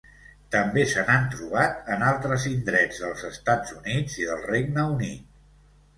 També se n'ha trobat en altres indrets dels Estats Units i del Regne Unit.